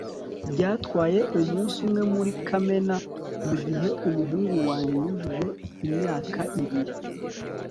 byantwaye umunsi umwe muri kamena, mugihe umuhungu wanjye yujuje imyaka ibiri